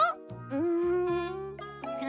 うん。